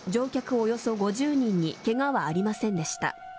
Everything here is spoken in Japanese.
およそ５０人に怪我はありませんでした。